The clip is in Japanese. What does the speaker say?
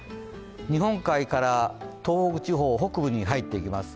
日本海から東北地方北部に入っていきます。